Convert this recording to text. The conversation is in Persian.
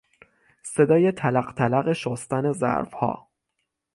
صدای تلق تلق شستن ظرفها